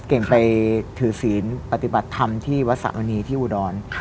เก่งไปถือศีลปฏิบัติธรรมที่วัดสะมณีที่อุดร